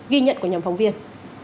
ghi nhận của nhóm phóng viên